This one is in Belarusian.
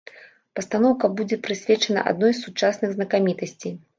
Пастаноўка будзе прысвечана адной з сучасных знакамітасцей.